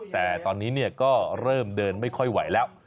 แต่ตอนนี้ก็เริ่มเดินไม่ค่อยไหวแล้ว